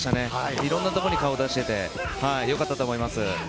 いろんなところに顔を出していて、良かったと思います。